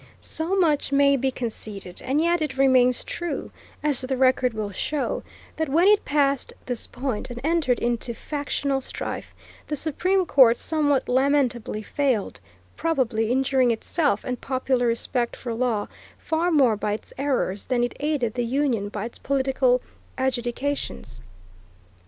So much may be conceded, and yet it remains true, as the record will show, that when it passed this point and entered into factional strife, the Supreme Court somewhat lamentably failed, probably injuring itself and popular respect for law, far more by its errors, than it aided the Union by its political adjudications.